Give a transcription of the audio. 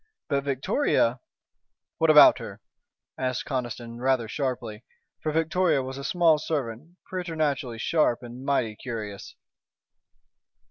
But Victoria " "What about her?" asked Conniston, rather sharply, for Victoria was a small servant, preternaturally sharp and mighty curious.